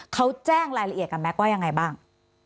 เขาแจ้งรายละเอียดกับแก๊กว่ายังไงบ้าง